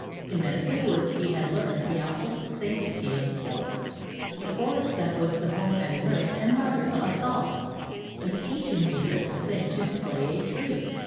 In Medicine Woods he had learned the awful sanctity of the forest, the forest that was the home and nurse and mother of us all, and it seemed to him a dreadful thing to slay a tree.